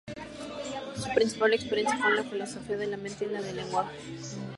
Su principal experiencia fue en la filosofía de la mente y la del lenguaje.